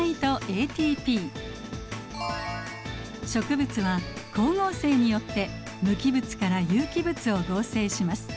植物は光合成によって無機物から有機物を合成します。